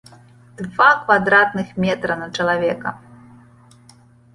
Два квадратных метра на чалавека!